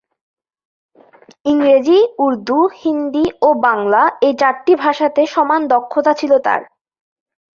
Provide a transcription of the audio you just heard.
ইংরেজি, উর্দু, হিন্দি ও বাংলা এই চারটি ভাষাতে সমান দক্ষতা ছিল তার।